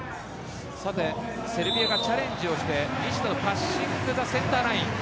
セルビアがチャレンジをして西田のパッシングザセンターライン。